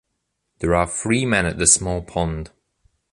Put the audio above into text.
There are the three men at the small pond.